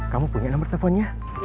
kamu punya nomor teleponnya